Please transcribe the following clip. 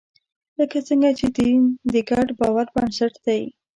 لکه څنګه چې دین د ګډ باور بنسټ دی.